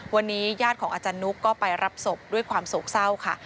วันนี้ญาติของอาจารย์นุ๊กก็ไปรับศพด้วยความโศกเศร้าค่ะ